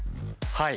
はい。